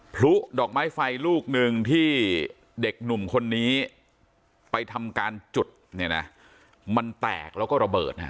พลุดอกไม้ไฟลูกหนึ่งที่เด็กหนุ่มคนนี้ไปทำการจุดเนี่ยนะมันแตกแล้วก็ระเบิดนะฮะ